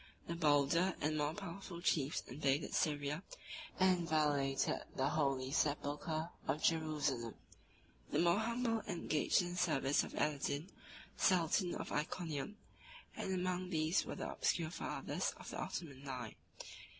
The bolder and more powerful chiefs invaded Syria, and violated the holy sepulchre of Jerusalem: the more humble engaged in the service of Aladin, sultan of Iconium; and among these were the obscure fathers of the Ottoman line.